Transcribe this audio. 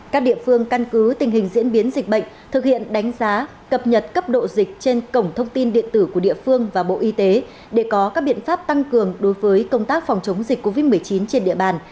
các địa phương căn cứ tình hình diễn biến dịch bệnh thực hiện đánh giá cập nhật cấp độ dịch trên cổng thông tin điện tử của địa phương và bộ y tế để có các biện pháp tăng cường đối với công tác phòng chống dịch covid một mươi chín trên địa bàn